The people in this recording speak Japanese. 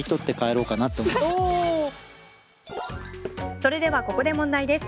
それでは、ここで問題です。